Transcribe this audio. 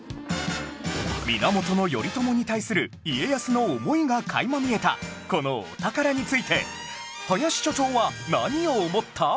源頼朝に対する家康の思いが垣間見えたこのお宝について林所長は何を思った？